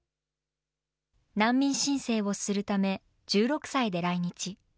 難民申請をするため、１６歳で来日。